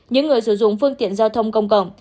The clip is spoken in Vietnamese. những người sử dụng phương tiện giao thông công cộng